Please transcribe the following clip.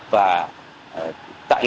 và tại hội trợ